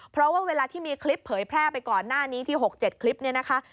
เพราะว่าเวลาที่มีคลิปเผยแพร่ไปก่อนหน้านี้ที่๖๗คลิปนี้นะคะ